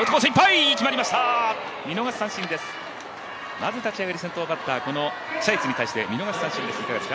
まず立ち上がり、先頭バッター謝悦に対して見逃し三振。